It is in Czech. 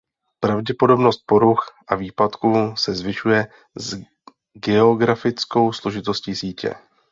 Pravděpodobnost poruch a výpadků se zvyšuje s geografickou složitostí sítě.